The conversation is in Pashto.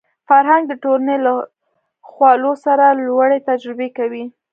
فرهنګ د ټولنې له خوالو سره لوړې تجربه کوي